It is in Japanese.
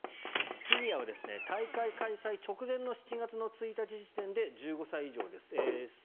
フィギュアは大会開催直前の７月１日時点で１５歳以上です。